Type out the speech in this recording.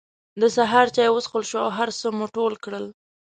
د سهار چای وڅکل شو او هر څه مو ټول کړل.